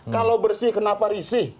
kalau bersih kenapa risih